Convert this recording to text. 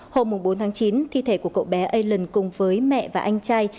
hôm bốn tháng chín thi thể của cậu bé alen cùng với mẹ và anh trai